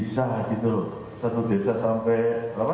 satu desa sampai dua belas ya